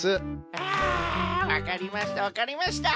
あわかりましたわかりました。